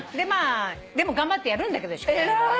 でも頑張ってやるんだけど宿題。